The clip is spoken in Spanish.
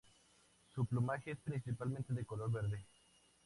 Su plumaje es principalmente de color verde.